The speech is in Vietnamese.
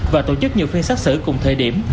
và tổ chức nhiều phiên xác xử cùng thời điểm